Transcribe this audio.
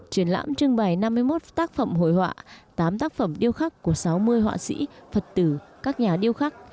triển lãm trưng bày năm mươi một tác phẩm hội họa tám tác phẩm điêu khắc của sáu mươi họa sĩ phật tử các nhà điêu khắc